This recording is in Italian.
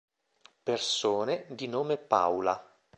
Persone di nome Paula